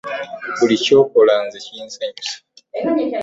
Buli ky'okola nze kinsanyusa.